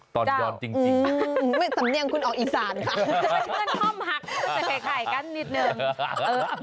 ตอนย้อนจริงสำเนี่ยงคุณออกอีสานค่ะเฮือนฮอมฮักจะไปไข่กันนิดนึง